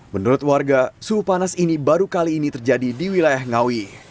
menurut warga suhu panas ini baru kali ini terjadi di wilayah ngawi